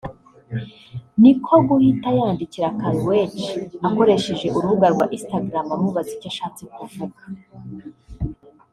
niko guhita yandikira Karrueche akoresheje urubuga rwa Instagram amubaza icyo ashatse kuvuga